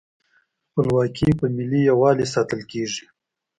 خپلواکي په ملي یووالي ساتل کیږي.